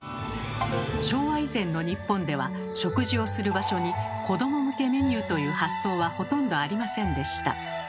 昭和以前の日本では食事をする場所に「子ども向けメニュー」という発想はほとんどありませんでした。